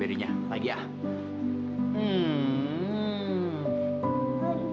hai yaudah era mau